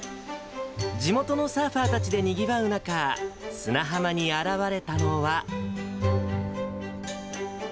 地元のサーファーたちでにぎわう中、砂浜に現れたのは。